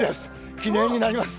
記念になります。